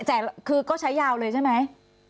แต่คือก็ใช้ยาวเลยใช่ไหม